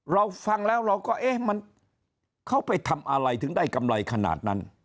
เราฟังแล้วเราก็เอ๊ะมันเขาไปทำอะไรถึงได้กำไรขนาดนั้น